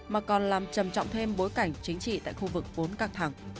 mà còn làm trầm trọng thêm bối cảnh chính trị tại khu vực vốn căng thẳng